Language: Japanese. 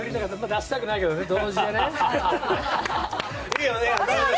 出したくないけど同時にね。